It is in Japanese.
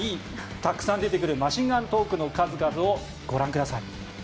たくさん出てくるマシンガントークの数々をご覧ください。